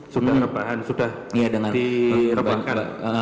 sudah rebahan sudah direbahkan